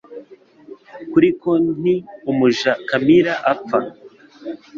Kuri konti umuja Camilla apfa